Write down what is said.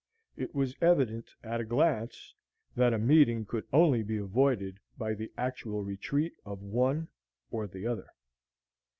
It was evident, at a glance, that a meeting could only be avoided by the actual retreat of one or the other.